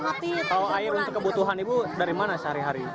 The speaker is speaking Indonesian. kalau air untuk kebutuhan ibu dari mana sehari hari